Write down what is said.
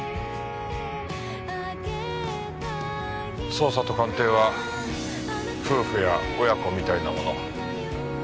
捜査と鑑定は夫婦や親子みたいなもの。